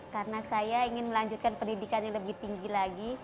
karena saya ingin melanjutkan pendidikan yang lebih tinggi lagi